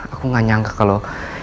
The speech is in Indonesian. aku gak nyangka kalau